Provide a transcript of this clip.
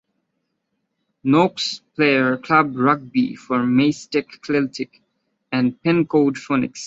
Nokes played club rugby for Maesteg Celtic and Pencoed Phoenix.